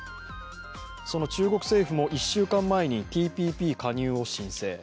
その中国政府も１週間前にＴＰＰ加入を申請。